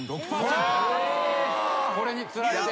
これに釣られて。